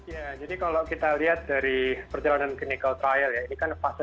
ya jadi kalau kita lihat dari perjalanan clinical trial ya ini kan fase